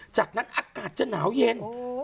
จากนั้นอากาศจะหนาวเย็น